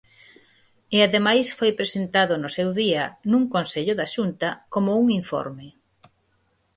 E ademais foi presentado no seu día, nun consello da Xunta, como un informe.